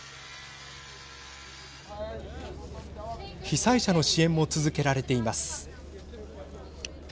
被災者の支援も続けられています。